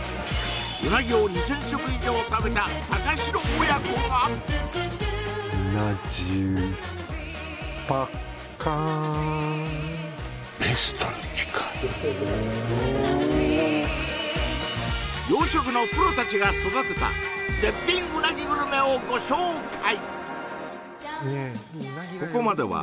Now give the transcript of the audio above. うなぎを２０００食以上食べた高城親子が養殖のプロたちが育てた絶品うなぎグルメをご紹介！